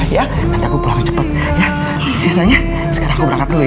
ya nanti aku pulang cepet ya biasanya sekarang aku berangkat dulu ya